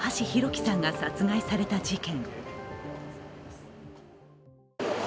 輝さんが殺害された事件。